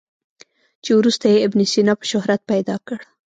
چې وروسته یې ابن سینا په شهرت پیدا کړ.